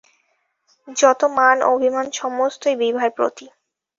যত মান-অভিমান সমস্তই বিভার প্রতি।